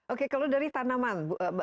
oke kalau dari tanaman